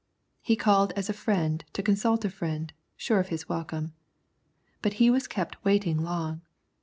He called as a friend to consult a friend, sure of his welcome. But he was kept waiting long.